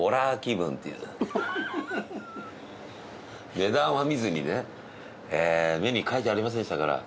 値段は見ずにねメニューに書いてありませんでしたから。